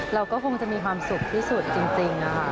เราก็คงจะมีความสุขที่สุดจริงค่ะ